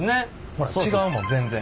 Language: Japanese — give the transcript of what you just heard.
ほら違うもん全然。